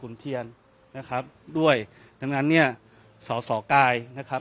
คุณเทียนนะครับด้วยดังนั้นเนี่ยสอสอกายนะครับ